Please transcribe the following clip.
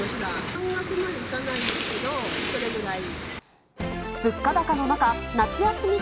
半額までいかないんですけど、それぐらい。